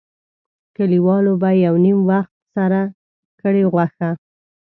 کلیوالو به یو نیم وخت سره کړې غوښه.